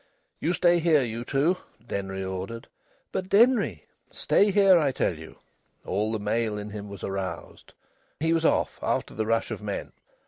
"You stay here, you two!" Denry ordered. "But, Denry " "Stay here, I tell you!" All the male in him was aroused. He was off, after the rush of men.